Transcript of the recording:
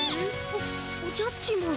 おおじゃっちマン。